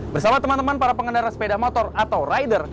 bersama teman teman para pengendara sepeda motor atau rider